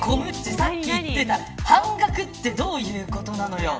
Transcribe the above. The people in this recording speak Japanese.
さっき言ってた半額ってどういうこと。